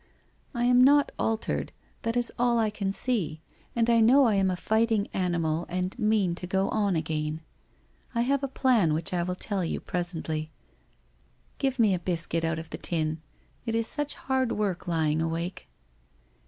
* I am not altered, that is all I can see, and I know T am a fighting animal, and mean to go on again. I have a plan which I will tell you presently. 310 WHITE ROSE OF WEARY LEAF Give me a biscuit out of the tin. It is such hard work lying awake.'